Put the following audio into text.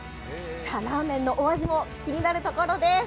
さあ、ラーメンのお味も気になるところです。